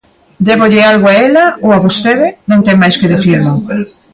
Débolle algo a ela ou a vostede? Non ten máis que dicirmo.